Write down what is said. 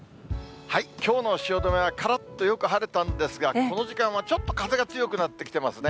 きょうの汐留は、からっとよく晴れたんですが、この時間はちょっと風が強くなってきてますね。